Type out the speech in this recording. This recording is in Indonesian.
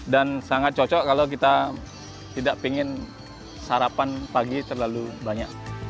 dan sangat cocok kalau kita tidak ingin sarapan pagi terlalu banyak